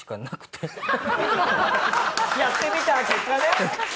やってみた結果ね？